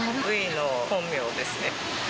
Ｖの本名ですね。